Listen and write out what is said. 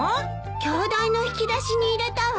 鏡台の引き出しに入れたわ。